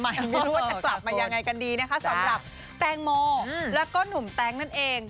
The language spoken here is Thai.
ไม่รู้ว่าจะกลับมายังไงกันดีนะคะสำหรับแตงโมแล้วก็หนุ่มแต๊งนั่นเอง